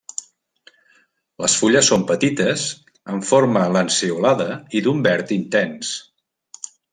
Les fulles són petites amb forma lanceolada i d'un verd intens.